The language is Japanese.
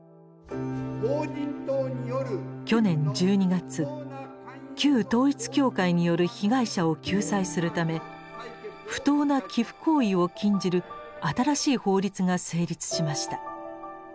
去年１２月旧統一教会による被害者を救済するため不当な寄附行為を禁じる新しい法律が成立しました。